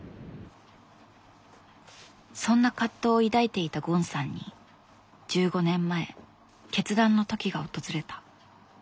そんな葛藤を抱いていたゴンさんに１５年前決断の時が訪れた。